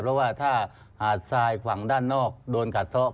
เพราะว่าถ้าหาดทรายฝั่งด้านนอกโดนกัดซ้อ